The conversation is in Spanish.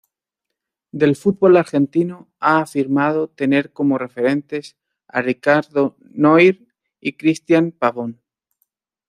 Del fútbol argentino ha afirmado tener como referentes a Ricardo Noir y Cristian Pavón.